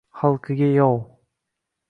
Xalqiga yov